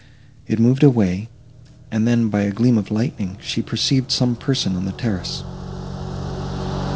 It moved away, and then, by a gleam of lightning, she perceived some person on the terrace.